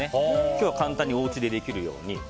今日は簡単におうちでできるように。